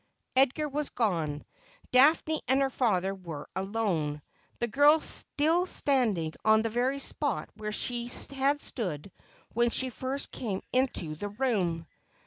Edgar was gone. Daphne and her father were alone, the girl still standing on the very spot where she had stood when she first came into the room.